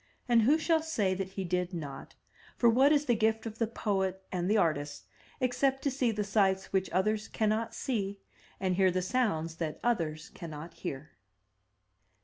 And who shall say that he did not, for what is the gift of the poet and the artist except to see the sights which others cannot see and hear the sounds that others cannot hear?